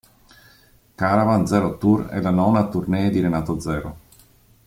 Caravan Zero Tour è la nona tournée di Renato Zero.